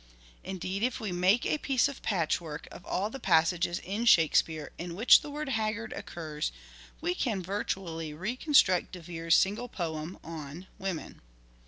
Indeed if we make a piece of patchwork of all the passages in Shakespeare in which the word " haggard " occurs we can virtually reconstruct De Vere's single poem on " Women."